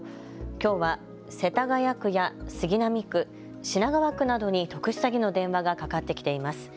きょうは、世田谷区や杉並区、品川区などに特殊詐欺の電話がかかってきています。